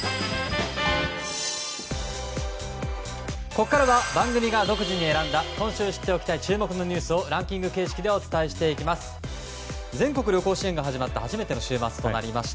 ここからは番組が独自に選んだ今週知っておきたい注目ニュースランキング形式でお伝えします。